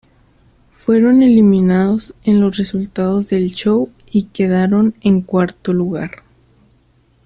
Fueron eliminados en los resultados del show y quedaron en cuarto lugar.